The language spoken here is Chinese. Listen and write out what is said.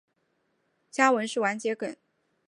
家纹是丸桔梗。